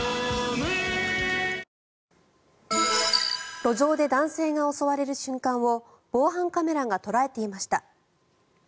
路上で男性が襲われる瞬間を防犯カメラが捉えていました。